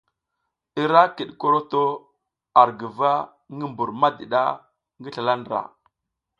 I ra kiɗ koroto ar guva ngi mbur madiɗa ngi slala ndra.